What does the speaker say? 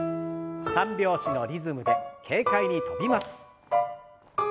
３拍子のリズムで軽快に跳びます。